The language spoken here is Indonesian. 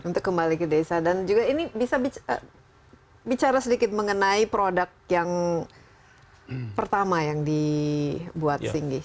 untuk kembali ke desa dan juga ini bisa bicara sedikit mengenai produk yang pertama yang dibuat singgih